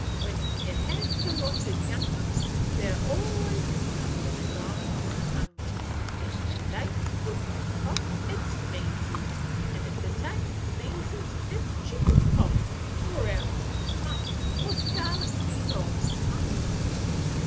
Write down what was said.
When ye hes a lot o' young uns, there 's allus suthin' a goin' on among 'em; ef 't ain't whoopin' cough, it 's measles; an' ef 't ain't measles, it 's chicken pox, or else it 's mumps, or scarlet fever, or suthin'.